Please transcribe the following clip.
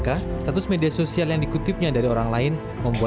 karena itu sudah saya rasakan karena ini orang lain punya